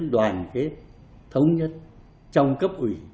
đoàn kết thống nhất trong cấp ủy